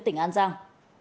tỉnh an giang